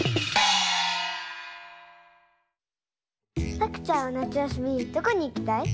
さくちゃんはなつやすみどこにいきたい？